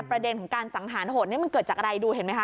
ประเด็นของการสังหารโหดนี้มันเกิดจากอะไรดูเห็นไหมคะ